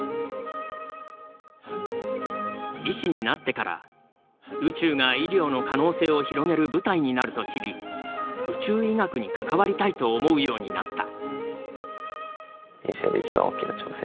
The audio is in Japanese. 医師になってから宇宙が医療の可能性を広げる舞台になると知り宇宙医学に関わりたいと思うようになった。